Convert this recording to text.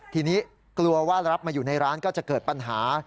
ทีนี้กลัวว่ารับมาอยู่ในร้านก็จะเกิดปัญหา